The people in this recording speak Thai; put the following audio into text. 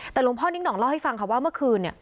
แต่หลวงพ่อนิ่งห่องเล่าให้ฟังค่ะว่าเมื่อคืนเนี่ย